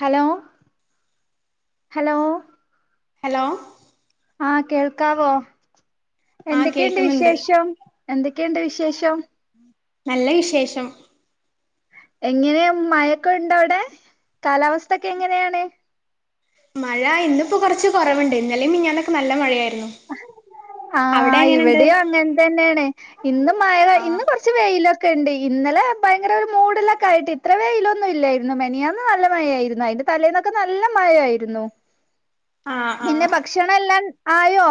Hello hello hello ആ കേൾക്കാവോ ആ എന്തൊക്കെ ഇണ്ട് കേൾക്കുന്നുണ്ട് വിശേഷം എന്തൊക്കെ ഇണ്ട് വിശേഷം നല്ല വിശേഷം എങ്ങനെ മഴക്കെ ഇണ്ട് അയുടെ കാലാവസ്ഥക്കെ എങ്ങനെയാണ് മഴ ഇന്നിപ്പോ കൊറച്ച് കൊറവ്ണ്ട് ഇന്നലിം മിഞ്ഞാന്നും ഒക്കെ നല്ല മഴയായിര് ആ ഇവിടെ യും അങ്ങൻ തന്നെയെണ് ഇന്ന് മഴ ആ പെയ്യ് ഇന്ന് കൊർച്ച് വെയില് ഒ ക്കെ ഇണ്ട് ഇന്നലെ ഭയങ്കര ഒരു മൂടിലൊക്കെ ആയിട്ട് ഇത്ര വേയിലൊന്നും ഇല്ലെയിരുന്നു മെനിയാന്ന് നല്ല മഴയായിരുന്നു അയിന്റെ തലേന്നൊക്കെ നല്ല മഴയായിരുന്നു ആ ആ പിന്നെ ഭക്ഷണം എല്ലാം. ആയോ?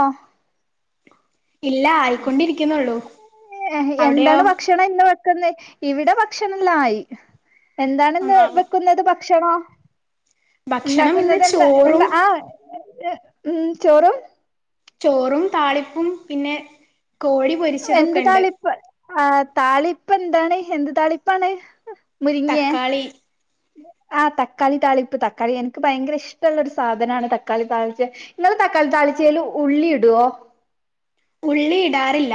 ഇല്ല. ആയിക്കൊണ്ടിരിക്കിന്നൊള്ളൂ. അവിടെയോ? ഭക്ഷണം ക്ക്ന്നെ ഇവടെ ഭക്ഷണ എല്ലാം ആയി എന്താണ് ഇന്ന് ആ വെക്കുന്നത് ഭ ക്ഷണം. ഭക്ഷണം ഇന്ന് ഇണ്ടാക്കുന്നത് എന്താ ചോറും എന്താ ആവ് ഉം ചോറും ചോറും താളി പ്പും പിന്നെ കോഴി എന്ത് പൊരിച്ചതൊക്കെ ഇണ്ട്. താളിപ്പ് ആ താളിപ്പ് ന്താണ്? എന്ത് താളിപ്പാണ്. മുരിങ്ങേ തക്കാളി. ആ തക്കാളി താളിപ്പ്. തക്കാളി എൻക്ക് ഭയങ്കര ഇഷ്ടള്ള ഒരു സാധനാണ് തക്കാളി താൾച്ചെ ഇങ്ങൾ തക്കാളി താളിച്ചെയിൽ ഉള്ളി ഇടോ ഉള്ളി ഇടാറില്ല.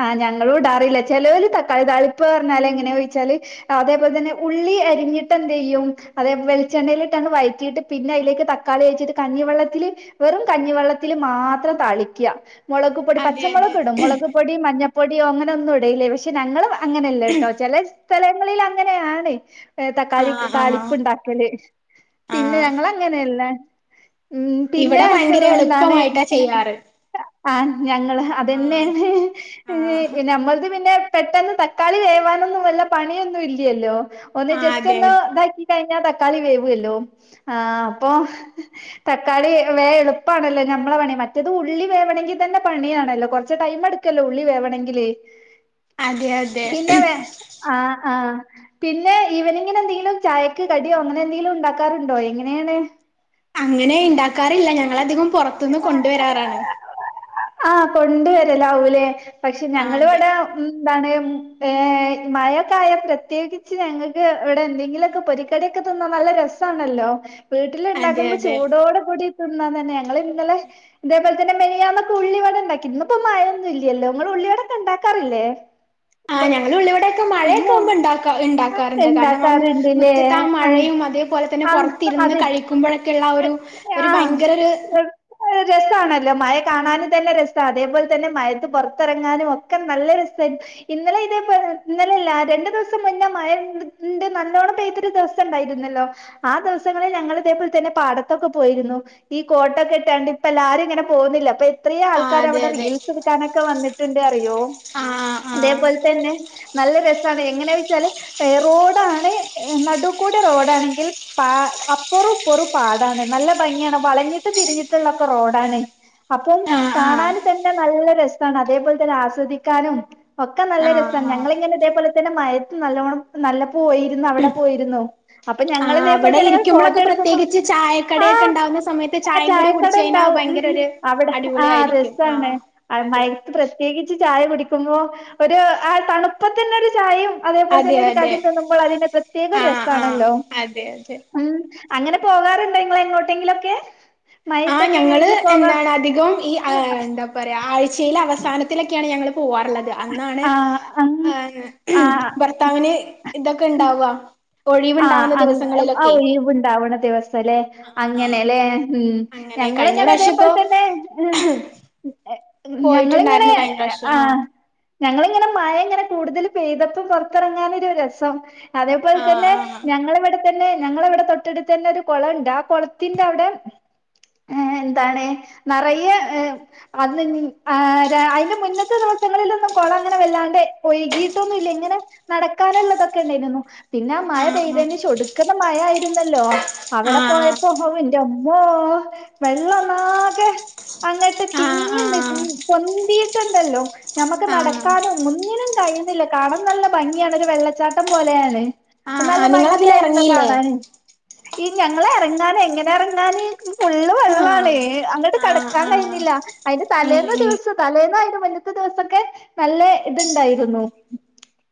ആ ഞങ്ങളും ഇടാറില്ല. ചേലോൽ തക്കാളി താളിപ്പ് പർഞ്ഞാൽ എങ്ങനെയോച്ചാൽ അതെ പോലെതന്നെ ഉള്ളി അരിഞ്ഞിട്ട് എന്തെയും, അതെ പോ വെളിച്ചെണ്ണയിൽ ഇട്ടാണ്ട് വയറ്റിയിട്ട്. പിന്നെ അയിലേക്ക് തക്കാളി ഒയിച്ചിട്ട് കഞ്ഞി വെള്ളത്തില് വെറും കഞ്ഞി വെള്ളത്തിൽ മാത്രം താളിക്യ. മുളകു പൊടി പച്ച അതെ മൊ അതെ മൊളകുപൊടി മഞ്ഞ ഞ്ഞ പൊടിയോ അങ്ങനൊന്നും ഇടെയില്ലേയ് പക്ഷെ ഞങ്ങൾ വ അങ്ങനെയല്ലട്ടോ ചെലെ സ്ഥലങ്ങളിൽ അങ്ങനെയാണ്. ഏ ആ തക്കാളി ക്ക് ആ താളിപ്പ് ഇണ്ടാക്കൽ പിന്നെ ഞങ്ങൾ അങ്ങനെയല്ല. ഇവിട ഭയങ്കര എളുപ്പമായിട്ടാ ചെയാറ്. ആ ഞങ്ങള് ആ [unintelligible] നമ്മൾക്ക്. പിന്നെ പെട്ടെന്ന് തക്കാളി വേവാനൊന്നു വല്ല പണിയൊന്നും ഇല്ലല്ലോ. ഒന്ന് ആ ജസ്റ്റ് അതെ ഒന്ന് ഇതാക്കി. കഴികി കഴിഞ്ഞാൽ തക്കാളി വേവല്ലോ ആ അപ്പൊ തക്കാളി വേവാ എളുപ്പണല്ലോ. നമ്മടെ പണി മറ്റേത് ഉള്ളി വേണമെങ്കിൽ തന്നെ. പണിയാണല്ലോ കു എടുക്കല്ലോ ഉള്ളി വേവണമെങ്കില്. അതെ അതെ പിന്നെ വേ ആ ആ. പിന്നെ ഇവനിങ്ങനെ എന്തെങ്കിലും ചായക്ക് കടിയോ അങ്ങനെ എന്തെങ്കിലും ഉണ്ടാക്കാറുണ്ടോ? എങ്ങനെയാണ്. അങ്ങനെ ഇണ്ടക്കാറില്ല, ഞങ്ങളധികും- പുറത്തുന്ന് കൊണ്ടുവരാറാണ്. ആ കൊണ്ട് വരലാവൂലെ പക്ഷെ ആ അതെ ഞങ്ങളിവടെ ഉം എന്താണ് മഴയൊക്കെ ആയാൽ പ്രത്യേകിച്ച് ഞങ്ങൾക്ക് ഇവിടെ എന്തെങ്കിലുമൊക്കെ പൊരിക്കൽ തിന്നാൻ നല്ല രസാണല്ലോ വീട്ടില് അതെ ഇണ്ടാകുമ്പോ അതെ ചൂടോട് കൂടി തിന്നാൻ തന്നെ ഞങ്ങള് ലെ ഇതേപോലെ തന്നെ മെനിയാന്നൊക്കെ ഉള്ളിവടെണ്ടാക്കി ഇന്നിപ്പോ മഴമൊന്നും ഇല്ല്യല്ലോ ഇങ്ങള് ഉള്ളിവടൊക്കെണ്ടാക്കാറില്ലേ ആ ഞങ്ങള് ഉള്ളിവിടെയൊക്കെ മഴയൊക്കെ ആമ്പോ ഉണ്ടാക്കാ ഇണ്ടാക്കാറ്ണ്ട് കാരണം ആ ഉണ്ടാക്കാറുണ്ട്ല്ലേ മുറ്റത്ത് ആ ആഹ് മഴയും അതേ പോലേ തന്നെ ആഹ് പുറത്തു ഇരുന്നു അതെ കഴിക്കുമ്പോൾ ഒക്കെ ഉള്ള ഒരു ആഹ് - രസാണല്ലോ മഴ കാണാനും തന്നെ രസാ അതേപോലെ തന്നെ മയത്ത് പൊറ്ത്തിറങ്ങാനും ഒക്കെ നല്ല രസമായിര് ഇന്നലെ ഇതേ പോലെ ഇന്നലെല്ല രണ്ടു ദിവസം മുന്നേ മഴണ്ട് നല്ലോണ്ണം പെയ്തൊരു ദിവസം ഉണ്ടായിരുന്നല്ലോ ആ ദിവസങ്ങളിൽ ഞങ്ങൾ ഇതേപോലെ തന്നെ പാടത്തൊക്കെ പോയിരുന്നു ഈ കോട്ടക്കെ ഇത് കണ്ട് ഇപ്പ എല്ലാരും ഇങ്ങനെ പോന്ന്ല്ലേ എത്രേം ആ അതെ ആൾക്കരവിടെ അതെ റീൽസ് എടുക്കാനൊക്കെ വന്നിട്ടുണ്ട് അറിയോ ആ ആ ഇതേപോലെ തന്നെ നല്ല രസാണ് എങ്ങനാ വെച്ചാല് പേറോടാണ് നടുക്കൂടെ റോഡാണെങ്കിൽ അപ്പറുംപ്പറും പാടാണ് നല്ല ഭംഗിയാണ് വളഞ്ഞിട്ട് തിരിഞ്ഞിട്ട് ള്ളൊക്കെ റോഡാണ് [unintelligible] അപ്പം ആ ആ കാണാന് തന്നെ നല്ല രസാണ് അതേപോലെ തന്നെ ആസ്വദിക്കാനും- ഒക്കെ നല്ല ആ രസം ആ ഞങ്ങളിങ്ങനെ ഇതേപോലെ ന്നെ മയത്ത് നല്ലോണം പ്പനല്ല [inaudible] പോയിര്ന്നു അവിടെ പോയിര്ന്നു അപ്പൊ ആ ഞങ്ങളിതേപോലെ അവിടെ തന്നെ ഫോട്ടോ ഇരിക്കുമ്പോഴൊക്കെ എട്ക്കുമ്പോ പ്രത്യേകിച്ച് ആ ചായക്കടയൊക്കെ ഇണ്ടാവുന്ന സമയത്ത് ചായയും കൂടി കുടിച്ച് കഴിഞ്ഞാ ചായക്കടണ്ടാവും ഉം ഭയങ്കര ഉം ഒരു അവിടെ അടിപൊളി ആ ആയിരിക്കും ആ രസാണ് അ അതെ മയത്ത് പ്രത്യേകി ചായ കുടിക്കുമ്പോ ഒരു ആ തണുപ്പത്ത് ഉളെളാരു ചായയും അതേപോലെ അതെ തന്നെ ഒരു അതെ കടിയിൽ നിന്നുമ്പോൾ അതിന്റെ പ്രത്യേക ആഹ് ആഹ് രസമാണല്ലോ അതെ അതെ ഉം അങ്ങനെ പോകാറുണ്ടൊങ്ങളെങ്ങോട്ടെങ്കിലൊക്കെ ആ ഞങ്ങള് എന്താണ് അധികം ഈ ആ എന്താ പറയാ ആഴ്ചയിലെ അവസാനത്തിലൊക്കെയാണ് ഞങ്ങള് പോവാറ്ള്ളത് അന്നാണ് ആ അങ്ങ് ഏ ആ ഭർത്താവിന് ഇതൊക്കെ ഇണ്ടാവാ ആ ആ ഒഴിവ് ണ്ടാവണ ദിവസല്ലേ ആഹ് ആഹ് അങ്ങനെല്ലേ ഉ അങ്ങനെ കഴിഞ്ഞ പ്രാവശ്യം ഞങ്ങിങ്ങനെതേപോലെ ഇപ്പോ തന്നെ ഞങ്ങളിങ്ങനെ പോയിട്ടുണ്ടായിരുന്നു കഴിഞ്ഞ ആ പ്രാവശ്യം ആഹ് ഞങ്ങളിങ്ങനെ മയ ങ്ങനെ കൂടുതല് പെയ്തപ്പം പുറത്തിറങ്ങാനൊരു രസം അതേപോലെ തന്നെ ആഹ് ഞങ്ങളും എട് തന്നെ ഞങ്ങളവിടെ തൊട്ടടുത്ത് തന്നെ ഒരു കൊളയുണ്ട് ആ കുളത്തിന്റെ അവിടെ എന്താണ് നിറയെ അ അതിന്റെ മുന്നത്തെ ദിവസങ്ങളിലൊന്നും ന കുളം അങ്ങനെ വല്ലാണ്ട് ഒഴകിട്ടൊന്നും ഇല്ല ഇങ്ങനെ നടക്കാനുള്ളതൊക്കെ ഉണ്ടായിരുന്നു പിന്നെ ആഹ് പോയിതത്തിന് ശേഷം ഒടുക്കാത്ത മഴയായിരിന്നു ല്ലോ അവിടെ ആഹ് പോയപ്പോ എന്റെമ്മോ ഓ വെള്ളം ഒന്നാകെ അങ്ങോട്ട് ആഹ് ആഹ് തിങ്ങി ആഹ് നിന്ന് പൊന്തിയിട്ടുണ്ടല്ലോ ഞമ്മക്ക് ആഹ് നടക്കാനും ഒുന്നിനും കഴിയുന്നില്ല കണണം നല്ല ഭംഗിയാണ് ഒരു വെള്ളച്ചാട്ടം പോലെയാണ് അപ്പൊ ആഹ് നല്ല ആഹ് നിങ്ങളതില് ഭംഗിയായിരുന്നു എറങ്ങിയില്ലേ കാണാന് ഈ ഞങ്ങള് ഇറങ്ങാന് എങ്ങനെ ഇറങ്ങാന് ആഹ കിടക്കാൻ കഴിഞ്ഞില്ല അതിന് തലേന്ന ഉം ദിവസം തലേന്ന് അതിന് മുന്നത്തെ ദിവസൊക്കെ നല്ല ഇത്ണ്ടായിരുന്നു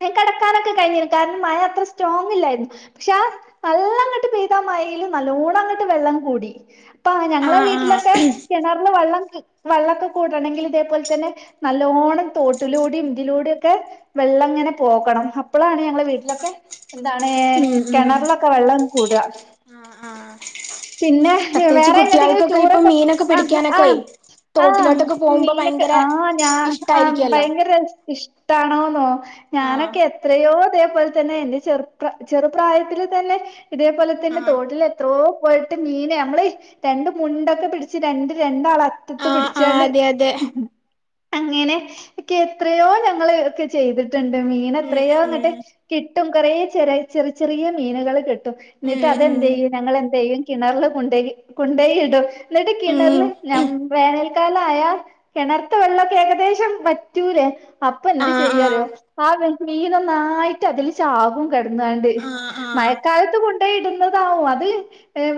ഞൻ കിടക്കാനൊക്കെ കഴിഞ്ഞിരിന്ന് കാരണം മഴ അത്ര സ്ട്രോങ് ഇല്ലായിരുന്നു പക്ഷെ ആ നല്ലങ്ങോട്ട് പെയ്താ മഴൽ നല്ലോണം അങ്ങോട്ട് വെള്ളം കൂടി അപ്പ ഞങ്ങളെ ആഹ് ആഹ് വീട്ടിലൊക്കെ കിണറില് വെള്ളം വെള്ളമൊക്കെ കൂടണമെങ്കിൽ ഇതേപോലെ തന്നെ നല്ലോണ്ണം തോട്ടിലൂടെ ഇതിലൂടെ ഒക്കെ വെള്ളം ഇങ്ങനെ പോകണം അപ്പോഴാണ് ഞങ്ങള വീട്ടിലൊക്കെ എന്താണ് ഉം ഉം കിണറിലൊക്കെ വെള്ളം കൂടാ ആഹ് ആഹ് പിന്നെ പ്രത്യേകിച്ച് വേറെ എങ്ങട്ട് എങ്കിലും കുട്ടികൾക്കൊക്കെ ഇപ്പൊ ടൂർറൊക്കെ മീനൊക്കെ ആ ആ് പിടിക്കാനൊക്കെ ആ തോട്ടിലോട്ടൊക്കെ പോകുമ്പോ മീനൊെ ഭയങ്കര ആ് ഞ ആ ഇഷ്ടായിരിക്കുവല്ലോ ഭയങ്കര താണോന്ന് ആഹ് ഞാനൊക്കെ എത്രയോ ദേ അതുപോലെ തന്നെ എന്റെ ചെറുപ്ര ചെറുപ്രായത്തിൽത്തന്നെ ഇതുപോലെ തന്നെ ആഹ് തോട്ടിൽ എത്രോ പോയിട്ട് മീന നമ്മള് രണ്ട് മുണ്ടൊക്കെ പിടിച്ച് രണ്ട് രണ്ടാള ആഹ് ആഹ് പിടിച്ചണ്ട് അതെ അതെ അങ്ങനെ ഒക്കെ എത്രയോ ഞങ്ങൾ ഒക്കെ ചെയ്തിട്ട് ചെയ്തിട്ടിണ്ട് മീൻ എത്രയോ ഇവിടെ ഉം കിട്ടും കുറേ ചെറ ചെറിയ ചെറിയ മീനുകൾ കിട്ടും ഉം എന്നിട്ട് അതെന്ത്‌ ഉം ചെയ്യും ഞങ്ങൾ എന്ത്‌ ചെയ്യും കിണറിൽകൊണ്ട് കൊണ്ടുപോയിയിടും എന്നിട്ട് കിണറിൽ ഉം ഞാൻ ഉം വേനൽ മഴക്കാലം ആയാ കിണർത്തെ വെള്ളമൊക്കെ ഏകദേശം വറ്റൂലേ അപ്പൊ എന്ത് ആഹ് ചെയ്യും അറിയോ ആഹ് ആ നീ നന്നായിട്ട് അതിൽ ചാവും കിടന്നാണ്ട് ആഹ് ആഹ് മഴക്കാലത്ത് കൊണ്ട് അപ്പൊ ഇടുന്നത്താവും അത്‌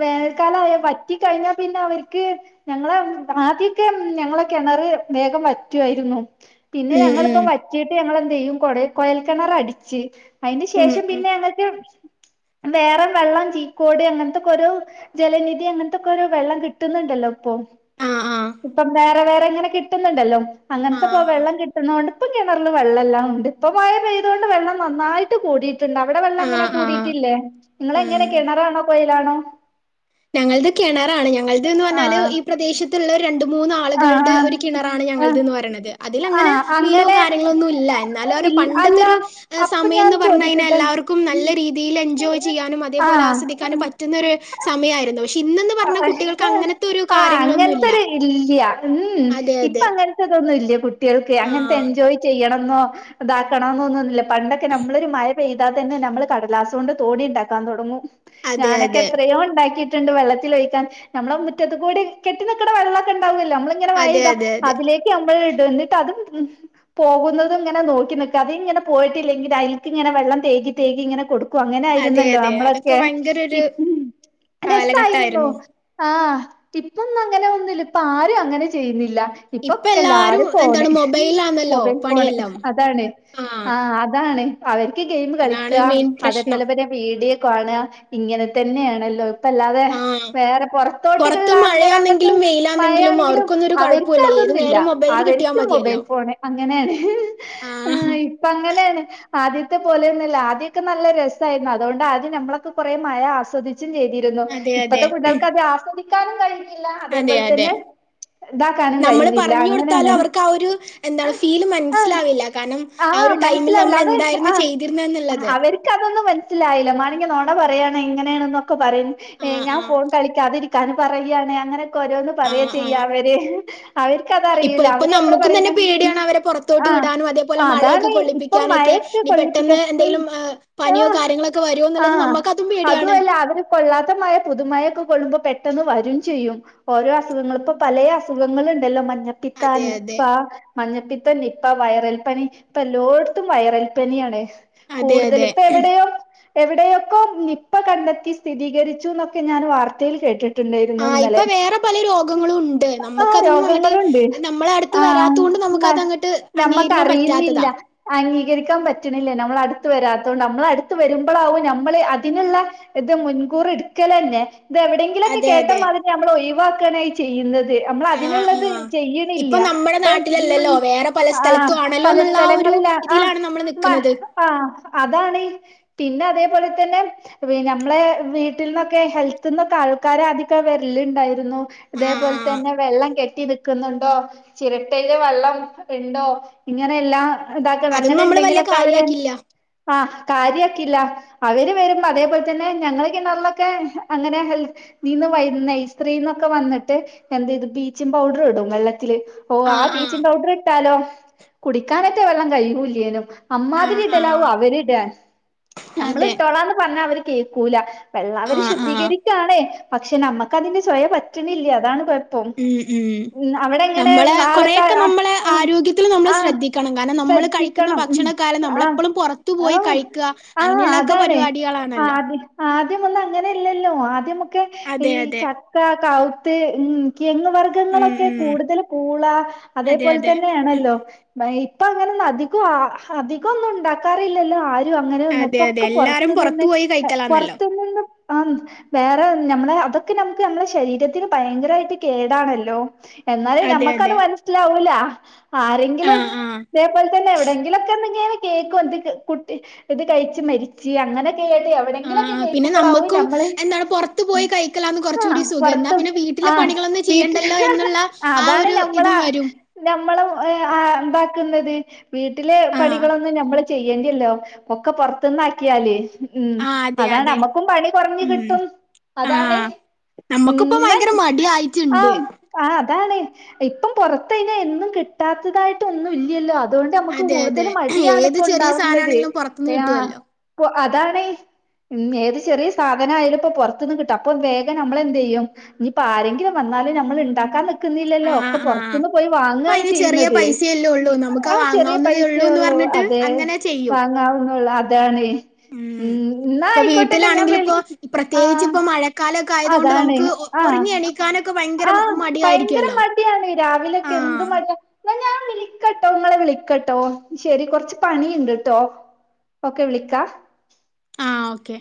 വേനൽക്കാലം ആയാ വറ്റി കഴിഞ്ഞാൽ പിന്നെ അവർക്ക് ഞങ്ങളെ ആദ്യക്കെ ഞങ്ങള കിണറ് വേഗം വറ്റുമായിരുന്നു പിന്നെ ഉം ഞങ്ങളിപ്പം ഉം വറ്റിട്ട് ഞങ്ങ കുറെ കൊയൽ കിണർ അടിച്ച് അതിന് ഉം ശേഷം ഉം പിന്നെ നമ്മക്ക് വേറെ വെള്ളം ചീക്കോട് അങ്ങനത്തക്കെ ഒരു ജലനിധി അങ്ങനത്തൊക്കെഒരുവെള്ളം കിട്ടുന്നുണ്ടല്ലോ ഇപ്പൊ ആഹ് ആഹ് ഇപ്പം വേറെ വേറെ എങ്ങനെ കിട്ടുന്നുണ്ടല്ലോ അങ്ങനത്തെ വെള്ളം ആഹ് കിട്ടുന്നോണ്ട് ഇപ്പം കിണറിൽവെള്ളം എല്ലാം ഉണ്ട് ഇപ്പോമഴ പെയ്തതു കൊണ്ട് വെള്ളം നന്നായിട്ട് കൂടിയിട്ട് ണ്ട് അവിടെ വെള്ളം അങ്ങനെ ആഹ് ആഹ് കൂടിയിട്ടില്ലേ നിങ്ങ എങ്ങനെ ഉം കിണറാണോ കൊയ ആണോ ഞങ്ങളത് കിണറാണ് ഞങ്ങളതിന്ന് പറഞ്ഞാല് ആഹ് ഈ പ്രദേശത്തുള്ള ഒരു രണ്ടു മൂന്നാളുകളുടെ ആഹ് ഒരു കിണറാണ് ആഹ് ഞങ്ങളിതന്ന് പറയണത് അതിൽ അങ്ങനെ ആഹ് മീനോ അങ്ങനെ കാര്യങ്ങളോ ഒന്നും ഇല്ല എന്നാല അവര് ഇൽ പണ്ടത്തെ അല്ല ഒരു അപ്പൊ സമയം ഞാൻ എന്ന് പറഞ്ഞു കഴിഞ്ഞൽ ചോദിക്കട്ടെ എല്ലാവർക്കും നല്ല രീതിയിൽ എൻജോയ് ചെയ്യാനും അതേപോലെ ആസ്വദിക്കാനും പറ്റുന്നൊരു സമയമായിരുന്നു ആ ആ കാര്യങ്ങളൊന്നുല്ല. അങ്ങനത്തൊരു ഇല്ല ഉം അതെ ഇപ്പ അതെ. അങ്ങനത്തെതൊന്നും ഇല്ല കുട്ടികൾക്ക് അങ്ങനത്തെ ആഹ്. എൻജോയ് ചെയ്യണം ഇതാക്കണ എന്നൊന്നന്നില്ല പണ്ടൊക്കെ നമ്മളൊരു മഴ പെയ്താതെ തന്നെ നമ്മള് കടലാസ്കൊണ്ട് തോണി ഉണ്ടാക്കാൻ തുടങ്ങും അതെ ഞാനൊക്കെ അതെ. എത്രയോ ഉണ്ടാക്കി ണ്ട് വെള്ള തി ഒഴിക്കാൻ നമ്മുടെ മുറ്റത്തു കൂടി കെട്ടിനിക്കണ വെള്ള ണ്ടാവല്ല നമ്മള ഇങ്ങന അതെ വൈതാ അതെ അതെ. അതിലേക്ക് നമ്മൾ എന്നിട്ട് അതും ഉം പോകുന്നതും ഇങ്ങനെ നോക്കി നിക്ക അത് ഇങ്ങനെ പോയിട്ടില്ലെങ്കിൽ അതിൽക്ക് ഇങ്ങനെ വെള്ളം തേകി തേകി ഇങ്ങനെ കൊടുക്ക അങ്ങനെ അതെ ആയിരുന്നല്ലോ അതെ. അതൊക്കെ നമ്മളൊക്കെ ഭയങ്കര ഒരു രസായി ഓ കാലഘട്ടായിരുന്നു. ആ ഇപ്പൊന്നും അങ്ങനെ ഒന്നുമില്ലഇപ്പൊ ആരും അങ്ങനെ ചെയ്യുന്നില്ല ഇപ്പ ഇപ്പൊക്ക എല്ലാരും ഫോണ് എന്താണ് മൊബൈലാന്നല്ലോ മൊബൈൽ ഫോണ് പണിയെല്ലാം. അതാണ് ആഹ് ആ അതാണ് അതെ ഗെയിം അതാണ് കളിക്കുക മെയിൻ പ്രശ്നം. അതേപോലെന്നെ വീഡിയോ കാണ ഇങ്ങനെ തന്നെയാണല്ലോ ഇപ്പ അല്ലാതെ ആഹ് വേറെ പൊറത്ത് പുറത്തോട്ടുള്ള അങ്ങനെ അങ്ങട്ട് മഴയാന്നെങ്കിലും വെയിലാന്നെങ്കിലും മഴയാണെങ്കിലും അവർക്കൊന്നൊരു അവർക്ക് കൊഴപ്പുല്ല ഏത് അതൊന്നുമില്ല നേരം മൊബൈല് കിട്ടിയാ അവർക്ക് മതിയല്ലോ മൊബൈൽ ഫോണ് ങ്ങനെ ആ ആഹ് ഇപ്പ അങ്ങനെയാണ് ആദ്യത്തെ പോലെയൊന്നല്ല ആദ്യമൊക്കെ നല്ല രസമായിരുന്നു അതുകൊണ്ട് ആദ്യം നമ്മളൊക്കെ കൊറേ മഴ ആസ്വദിച്ചു ചെയ്തിരുന്നു അതെ അതെ പ്പത്തെ കുട്ട്യാൾക്ക് അത് അസ്യ ക്കാനും കഴിയി ല്ല അതെ അതേപോലെ അതെ തന്നെ ഇതാക്കാനും നമ്മള് കഴിയുന്നില്ല പറഞ്ഞു അങ്ങനെണ് കൊടുത്താലും അവർക്ക് ആ ഒരു എന്താണ് ഫീല് മനസ്സിലാവില്ല കാരണം ആ ഒരു ടൈമിൽ മനസിലാവില്ല നമ്മൾ അത് എന്തായിരുന്നു ആ ചെയ്തിരുന്നെന്നുള്ളത് അവർക്ക്തൊന്നും മനസ്സിലായില്ല മാണെങ്കിൽ നോണ പറയാണ് എങ്ങനെയാണ് അപ്പോ പറയും ആഹ് ഞാൻ ആഹ് ഫോൺ കളിക്കാതിരിക്കാൻ കളി പറയുകയാണ് അങ്ങനെ ഓരോന്ന് പറയാ ആഹ് ചെയ്യ ആഹ് അവര് ഇപ്പൊ അവർക്ക്തറിയില്ല ഇപ്പൊ അവര് നമ്മള് നമ്മുക്കും തന്നെ പറയുന്ന പേടിയാണ് അവരെ പൊറത്തോട്ട് ആ വിടാനും അതേപോലെ മഴയൊക്കെ അതാണ് ഇപ്പൊ കൊള്ളിപ്പിക്കാനൊക്കെ മഴൊക്കെ ഇനി കൊള്ളിപ്പിക്ക പെട്ടെന്ന് എന്തെലും ആ പനിയോ കാര്യങ്ങളൊക്കെ വരുവോ ആ എന്നുള്ളത് നമ്മക്കതും പേടിയാണ് അതുമല്ല അവര് കൊള്ളാത്ത മഴ മാഴയൊക്കെ കൊള്ളുമ്പോൾ പെട്ടെന്ന് വരും ചെയ്യും ഓരോ അസുഖങ്ങൾ ഇപ്പം പല അസുഖങ്ങളൾ ഉണ്ടല്ലോ മഞ്ഞപ്പിത്താൻ അതെ അതെ നിപ്പ മഞ്ഞ ഇപ്പം നിപ്പ വൈറൽ പനി ഇപ്പം എല്ലോട്ത്തും വൈറൽ പനിയാണ് അതെ കൂടുതൽ അതെ ഇപ്പൊ എവിടെയോ എവിടെയൊക്കോ നിപ്പ കണ്ടെത്തി സ്ഥിരീകരിച്ചു ഞാൻ വാർത്തയിൽ കേട്ട് ആ ഇപ്പൊ വേറെ പല രോഗങ്ങളും ഉണ്ട് ആ നമുക്ക് അതൊന്നും അങ്ങട്ട് രോഗങ്ങളുണ്ട് നമ്മള അടുത്ത് വരാത്ത ആഹ് കൊണ്ട് മ നമുക്ക് അത്ങ്ങട്ട് അംഗീകരിക്കാൻ നമ്മക്കറിയുന്നില്ല പറ്റാത്തതാ അംഗീകരിക്കാൻ പറ്റണില്ലേ നമ്മൾ അടുത്ത് വരാത്ത കൊണ്ട് നമ്മൾ അടുത്ത് വരുമ്പോഴാകും നമ്മള് അതിനുള്ള ഇത് മുൻകൂർ ക്കലന്നെ ഇത് എവിടെങ്കിലൊക്കെ അതെ കേട്ടാ അതെ മാതിരി നമ്മൾ ഒഴിവാക്ക് ക്കെനായി ചെയ്യുന്നത് നമ്മൾ ആഹ് അതിനുള്ളത് ആഹ് ചെയ്യണില്ല ഇപ്പൊ നമ്മടെ ഇപ്പം ഉം നാട്ടിലല്ലല്ലോ വേറെ പല ആ സ്ഥലത്തും പല ആണല്ലോന്നുള്ള ആ ഒരു സ്ഥലങ്ങളിലാ ആ ഇതിലാണ് നമ്മള് മ്മ നിക്ക്ണത് ആ അതാണ് പിന്നെ അതേപോലെ തന്നെ നമ്മളെ വീ ട്ടിൽ നിന്നൊക്കെ ഹെൽത്ത് നിന്നൊക്കെ ആൾക്കാര് അധികം വരലുണ്ടായിരുന്നു ആഹ് അതേപോലെ ആഹ് തന്നെ വെള്ളം കെട്ട കെട്ടിനിക്കുന്നുണ്ടോ ചിരട്ടയില വെള്ളം ഉണ്ടോ ഇങ്ങനെയെല്ലാം. ഇതാക്കണം അങ്ങനെ അതൊന്നും നമ്മള് വല്യ എന്തെങ്കിലുലൊക്കെ അവര് കാര്യാക്കില്ല ആഹ് കാര്യാക്കീല അവര് വരുമ്പം അതേപോലെ തന്നെ ഞങ്ങള് എന്നൊക്കെ പറഞ്ഞ ക്കെ അങ്ങനെ ഹെൽത്തീന്ന് വൈകു നേഴ്‌സറീന്നൊക്കെ വന്നിട്ട് എന്തേയ്തു ബ്ലീച്ചിങ് പൗഡർ ഇടും വെള്ളത്തില് ഓ ആ ആഹ് ആഹ് ബീച്ചിംഗ് പൗഡറ് ഇട്ടാലോ കുടിക്കാനൊക്കെ വെള്ളം കഴിയൂലേനു അമ്മാതിരി ആഹ് ഇടലാവോ ആഹ് അവരിടാ നമ്മൾ അതെ ഇട്ടോളാന്ന് പറഞ്ഞ അവര് കേക്കൂല വെള്ള അവര് ആഹ് ആഹ് ശുദ്ധീകരിക്കാണേ പക്ഷെ നമ്മക്ക് അതിന്റെ ചൊയ പറ്റ് ണില്ല അതാണ് പ്രശ് ഉം ഉം നമ്മളെ ആൾക്കാ കൊറെയൊക്കെ നമ്മളെ ആഹ് ആരോഗ്യത്തിൽ നമ്മൾ ആഹ് ശ്രദ്ധിക്കണം. കാരണം നമ്മൾ കഴിക്കുന്ന ശ്രദ്ധിക്കണം ഉം ഭക്ഷണ കാലം ആഹ് നമ്മളെപ്പെളും പൊറത്ത് പോയി ഓഹ് കഴിക്ക് ആഹ് അങ്ങനെയുള്ളൊക്കെ അതാണ് പരിവാ ടികളാണല്ലോ ആദ്യ ആദ്യമൊന്നും അങ്ങനെ അല്ലല്ലോ ആദ്യം ഈ അതെ അതെ ചക്ക കൗ ത്ത് ഉം കിഴങ്ങ് ഉം വർഗ്ഗങ്ങളൊക്കെ ഉം കൂടുതൽ പൂള അതെ അതേപോലെ അതെ തന്നെയാണല്ലോ [unintelligible] ഇപ്പ അങ്ങനൊന്നും അധികു അധികൊന്നും ഉണ്ടാക്കാറില്ലല്ലോ ആരും അങ്ങനെയൊന്നും അതെ ഇപ്പൊ അതെ ഒക്കെ എല്ലാരും പൊറത്ത് പുറത്തു നിന്ന് പോയി പൊറ കഴിക്കലാന്നല്ലോ ആ വേറെ നമ്മളെ അതൊക്കെ നമ്ക്ക് നമ്മുടെ ശരീരത്തിന് ഭയങ്കരായിട്ട് കേടാണല്ലോ എന്നാലും അതെ നമ്മക്കത് അതെ മനസ്സിലാവൂല ആ ആരെങ്കിലും ആ ഇതേപോലെ തന്നെ എവിടെങ്കിലൊക്കെന്തെങ്കി കേൾക്കും [unintelligible] കുട്ടി ഇത് കഴിച്ച മരിച്ച് അങ്ങനെ പേടിയാ എവിടെങ്കിലോക്കെ നമ്മുക്കും എന്താണ് പുറത്ത് പോയി കഴിക്കലന്ന് കുറച്ച ആഹ് കൂടി സുഗം എന്താ പൊറത്തും പിന്നെ വീട്ടിലെ ആഹ് പണികളൊന്നും വീട്ടില് ചെയ്യണ്ടല്ലോ എന്നുള്ള ആ ഒരു ഇതും വരും. ഞമ്മളും ഏഹ് ആഹ് ഉണ്ടാക്കുന്നത്. വീട്ടിലെ ആ പണികളൊന്നും നമ്മള് ചെയ്യേണ്ടല്ലോ ഒക്കെ പുറത്തന്നാക്കിയാല്. ഉം ആ അതെ അതാണ് അതെ നമ്മക്ക് ക്കും പണി കുറഞ്ഞ ഉം കിട്ടും ആ അതാണ് നമ്മക്കിപ്പോ ഉം ഭയങ്കര മടിയായിട്ടുണ്ട് ആഹ് ആഹ് അതാണ് ഇപ്പം പുറത്ത് അയിന് ഒന്നും കിട്ടാത്തതായിട്ട് ഒന്നും ഇല്ലല്ലോ അതുകൊണ്ട് നമുക്ക് അതെ കൂടുതൽ അതെ മടിയാണ് ഏത് ഇപ്പൊ ചെറിയ ഉണ്ടാവുന്നത് സാധനാണെങ്കിലും പുറത്തുന്ന് ഏഹ് കിട്ടുവല്ലോ ആഹ് അതാാണ് ഏത് ചെറിയ സാധനം ആയാല ഇപ്പൊ പുറത്തുനിന്ന് കിട്ടും അപ്പൊ വേഗം നമ്മൾ എന്ത് ചെയ്യും ഇനിയിപ്പോ ആരെങ്കിലും വന്നാലും നമ്മൾ ഇണ്ടാക്കാൻ ല്ലല്ലോ ആ ഒക്കെ ആ പുറത്ത്ന്ന് പോയി അപ്പൊ വാങ്ങാണ് അയിന് ചെറിയ ചെയ്യുന്നത് പൈസയല്ലേ ഉള്ളൂ നമുക്ക് ആ ചെറിയ വാങ്ങാവുന്നതേ ഉള്ളൂന്ന് പൈസയള്ളു പറഞ്ഞിട്ട് അതെ അങ്ങനെ ചെയ്യും വാങ്ങാവുന്നുള്ള അതാണ് ഉം ന്നാ ഇപ്പൊ ആയിക്കോട്ടെ വീട്ടിലാണെങ്കിലിപ്പോ പ്രത്യേകിച്ച് ഇപ്പോ മഴക്കാല ആയത് കൊണ്ട് നമുക്ക് ഒറങ്ങി എണീക്കാനൊക്കെ ഭയങ്കര ആ ഭയങ്കര മടിയായിരിക്കുവല്ലോ മടിയാണ് രാവിലൊക്കെ എന്ത് ആഹ് മടിയാ എന്നാ ഞാൻ വിളിക്കട്ടോ നിങ്ങളെ വിളിക്കട്ടോ ശെരി കുറച്ച് പണിയുണ്ട്ട്ടോ ഒക്കെ വിളിക്കാ ആ ഓക്കെ